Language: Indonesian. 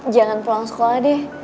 jangan pulang sekolah deh